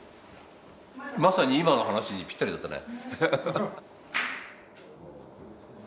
まさに今の話にぴったりだったね。